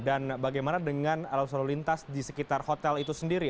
dan bagaimana dengan arus lalu lintas di sekitar hotel itu sendiri